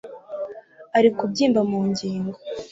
ari kubyimba mu ngingo